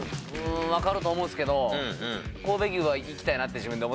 わかると思うんですけど神戸牛はいきたいなって自分で思ってたんで。